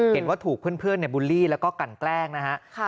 เห็นว่าถูกเพื่อนบูลลี่แล้วก็กันแกล้งนะฮะ